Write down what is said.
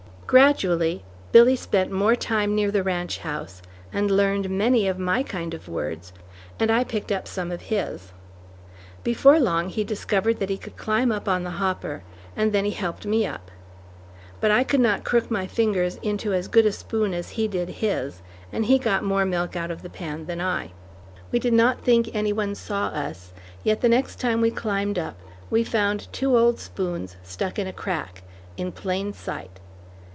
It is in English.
Gradually, Billy spent more time near the ranch house, and learned many of my kind of words, and I picked up some of his. Before long, he discovered that he could climb up on the hopper, and then he helped me up. But I could not crook my fingers into as good a spoon as he did his, and he got more milk out of the pan than I. We did not think any one saw us, yet the next time we climbed up, we found two old spoons stuck in a crack, in plain sight.